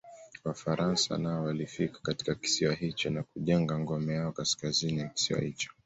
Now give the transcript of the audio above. Wafaransa nao walifika katika kisiwa hicho na kujenga ngome yao Kaskazini ya kisiwa hicho